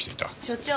所長。